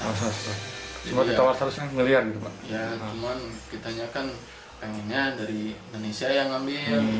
ya cuman kita kan pengennya dari indonesia yang ambil